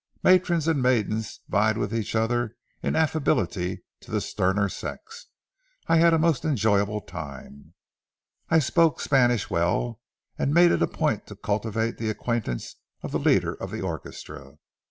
Matrons and maidens vied with each other in affability to the sterner sex. I had a most enjoyable time. I spoke Spanish well, and made it a point to cultivate the acquaintance of the leader of the orchestra.